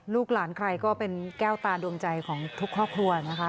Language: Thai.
ลูกหลานใครก็เป็นแก้วตาดวงใจของทุกครอบครัวนะคะ